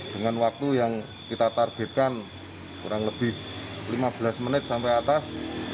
dengan waktu yang kita targetkan kurang lebih lima belas menit sampai atas